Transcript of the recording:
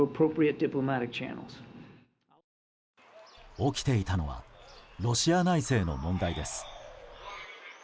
起きていたのはロシア内政の問題です。